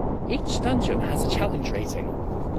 Each dungeon has a "challenge rating".